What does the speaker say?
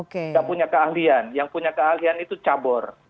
tidak punya keahlian yang punya keahlian itu cabur